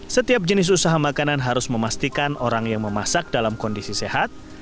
setiap jenis usaha makanan harus memastikan orang yang memasak dalam kondisi sehat